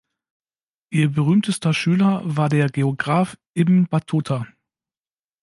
Ihr berühmtester Schüler war der Geograph Ibn Battuta.